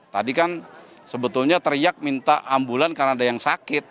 tadi kan sebetulnya teriak minta ambulan karena ada yang sakit